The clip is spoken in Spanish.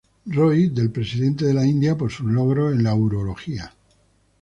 Roy del presidente de la India por sus logros en la urología.